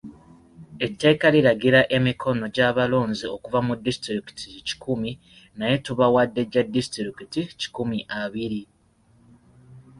Etteeka liragira emikono gy'abalonzi okuva mu Disitulikiti kikumi naye tubawadde gya Disitulikiti kikumi abiri.